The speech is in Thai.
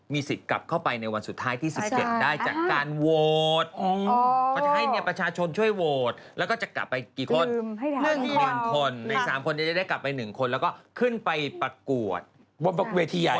มีสิทธิ์กลับเข้าไปในวันสุดท้ายที่สิทธิ์เห็นได้จากการโวต